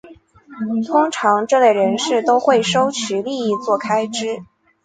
通常这类人士都会收取利益作开支。